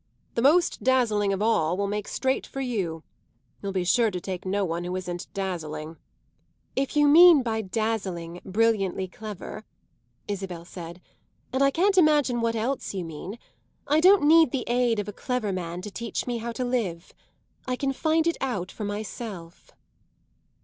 The most dazzling of all will make straight for you. You'll be sure to take no one who isn't dazzling." "If you mean by dazzling brilliantly clever," Isabel said "and I can't imagine what else you mean I don't need the aid of a clever man to teach me how to live. I can find it out for myself."